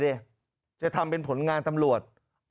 นี่จะทำเป็นผลงานตำรวจ